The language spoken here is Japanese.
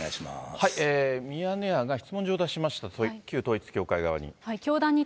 ミヤネ屋が質問状を出しました、旧統一教会側に。